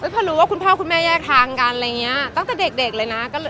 พอรู้ว่าคุณพ่อคุณแม่แยกทางกันตั้งแต่เด็กเลยนะ